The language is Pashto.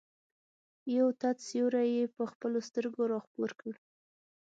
یو تت سیوری یې په خپلو سترګو را خپور کړ.